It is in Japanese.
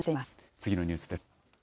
次のニュースです。